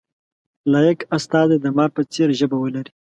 لایق استازی د مار په څېر ژبه ولري.